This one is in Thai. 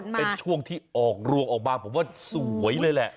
เป็นช่วงที่ออกรวงออกมาผมว่าสวยเลยแหละ